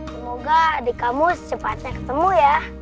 semoga adik kamu secepatnya ketemu ya